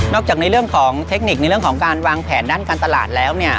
จากในเรื่องของเทคนิคในเรื่องของการวางแผนด้านการตลาดแล้วเนี่ย